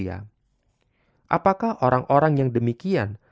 apakah orang orang yang demikian